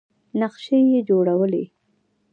نقشې یې جوړولې.